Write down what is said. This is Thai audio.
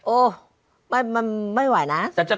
โอ้มันไม่ไหวนะ